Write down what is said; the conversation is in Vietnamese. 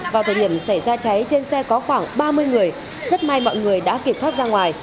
vào thời điểm xảy ra cháy trên xe có khoảng ba mươi người rất may mọi người đã kịp thoát ra ngoài